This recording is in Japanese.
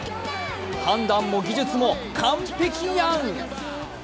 判断も技術も完璧やん。